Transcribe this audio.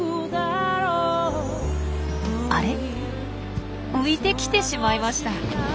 あれっ浮いてきてしまいました。